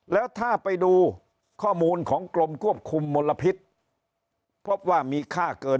แล้วถ้าไปดูข้อมูลของกรมควบคุมมลพิษพบว่ามีค่าเกิน